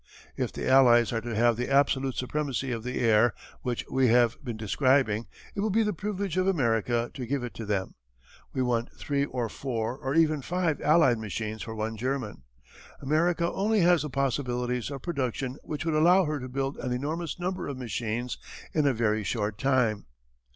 "If the Allies are to have the absolute supremacy of the air which we have been describing it will be the privilege of America to give it to them. We want three or four or even five allied machines for one German. America only has the possibilities of production which would allow her to build an enormous number of machines in a very short time.